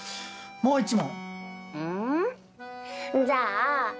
もう１問！